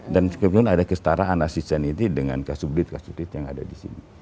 dan kemudian ada kestaraan asisten itu dengan kasubrit kasubrit yang ada di sini